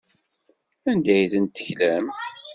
Anda ay tent-teklam?